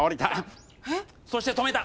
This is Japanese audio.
えっ？そして止めた。